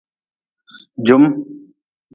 Jum.